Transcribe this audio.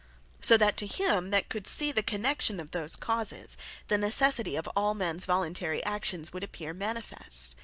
So that to him that could see the connexion of those causes, the Necessity of all mens voluntary actions, would appeare manifest.